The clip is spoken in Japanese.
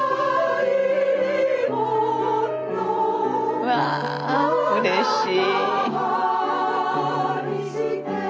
うわうれしい！